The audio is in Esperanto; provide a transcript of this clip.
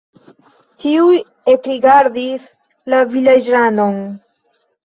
Ĉiuj ekrigardis la vilaĝanon.